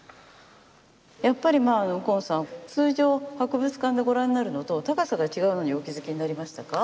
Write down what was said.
やっぱり右近さん通常博物館でご覧になるのと高さが違うのにお気付きになりましたか？